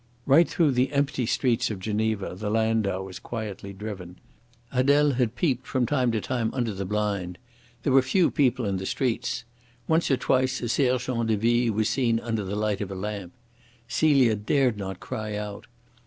Right through the empty streets of Geneva the landau was quietly driven. Adele had peeped from time to time under the blind. There were few people in the streets. Once or twice a sergent de ville was seen under the light of a lamp. Celia dared not cry out.